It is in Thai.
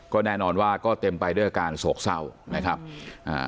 ก็แน่นอนว่าก็เต็มไปด้วยอาการโศกเศร้านะครับอ่า